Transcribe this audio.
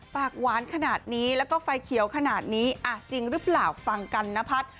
ปากหวานขนาดนี้แล้วก็ไฟเขียวขนาดนี้จริงหรือเปล่าฟังกันนพัฒน์